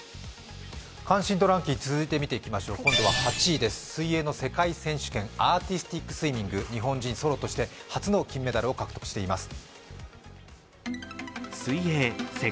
関心度ランキング、続いて見ていきましょう、８位、水泳の世界選手権、アーティスティックスイミング日本人ソロとして初の金メダルを獲得しています。